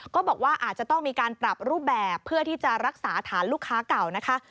ก็บอกว่าอาจจะต้องมีการปรับรูปแบบเพื่อที่จะรักษาฐานลูกค้าเก่านะคะ